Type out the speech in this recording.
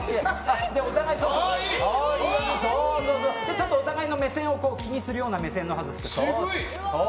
ちょっとお互いの目線を気にするような目線の外し方。